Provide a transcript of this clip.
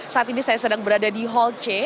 saat ini saya sedang berada di hall c